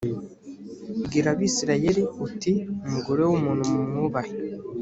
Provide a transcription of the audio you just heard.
bwira abisirayeli uti umugore w’ umuntu mumwubahe.